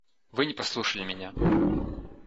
Вы не послушали меня.